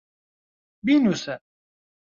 بینووسە.